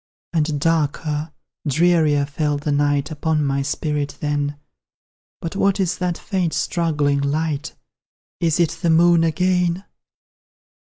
And darker, drearier fell the night Upon my spirit then; But what is that faint struggling light? Is it the Moon again?